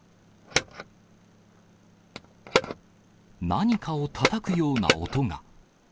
何かをたたくような音が。